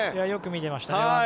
よく見ていましたね。